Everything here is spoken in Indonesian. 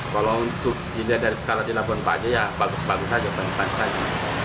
kalau untuk dilihat dari skala di labuan bajo ya bagus bagus saja penuh time saja